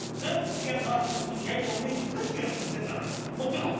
気が変わらねえうちに焼いておめえに食わしてやるっつってんだから持ってこい。